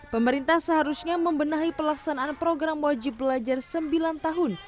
pemerintah seharusnya membenahi pelaksanaan program wajib belajar sembilan tahun